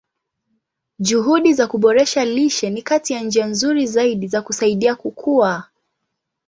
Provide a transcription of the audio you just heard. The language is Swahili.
Juhudi za kuboresha lishe ni kati ya njia nzuri zaidi za kusaidia kukua.